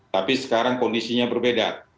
tapi sekarang kondisinya berbeda